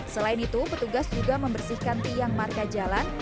selain itu petugas juga membersihkan tiang marka jalan